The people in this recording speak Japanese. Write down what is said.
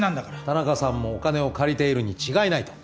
田中さんもお金を借りているに違いないと？